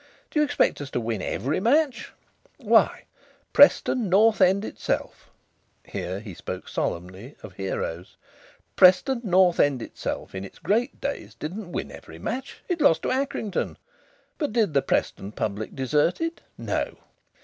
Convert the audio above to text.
Do you expect us to win every match? Why, Preston North End itself" here he spoke solemnly, of heroes "Preston North End itself in its great days didn't win every match it lost to Accrington. But did the Preston public desert it? No!